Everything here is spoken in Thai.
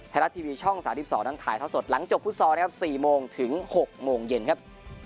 ไทยรัฐทีวีช่อง๓๒นั้นถ่ายท่อสดหลังจบฟุตซอลนะครับ๔โมงถึง๖โมงเย็นครับ